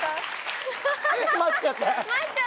待っちゃった。